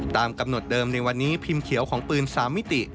ตามกำหนดเดิมในวันนี้พิมพ์เขียวของปืน๓มิติ